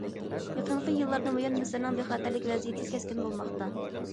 يېقىنقى يىللاردىن بۇيان، مىسىرنىڭ بىخەتەرلىك ۋەزىيىتى كەسكىن بولماقتا.